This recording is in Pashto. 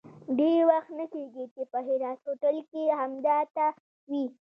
ډېر وخت نه کېږي چې په هرات هوټل کې همدا ته وې.